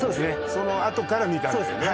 そのあとから見たんだよね